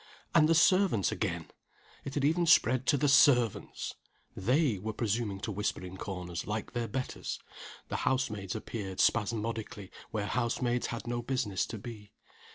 And the servants again! it had even spread to the servants! They were presuming to whisper in corners, like their betters. The house maids appeared, spasmodically, where house maids had no business to be.